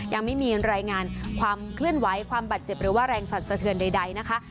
ยังไม่มีรายงานความเคลื่อนไหวความบาดเจ็บหรือว่าแรงสั่นสะเทือนใดนะคะ